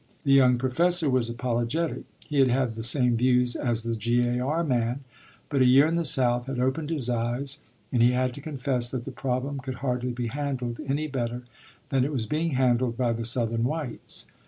The young professor was apologetic. He had had the same views as the G.A.R. man; but a year in the South had opened his eyes, and he had to confess that the problem could hardly be handled any better than it was being handled by the Southern whites.